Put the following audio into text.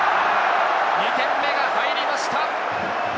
２点目が入りました。